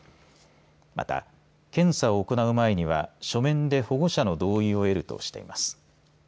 また、検査を行う前には書面で保護者の同意を得るとしています。